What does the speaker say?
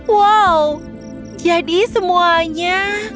wow jadi semuanya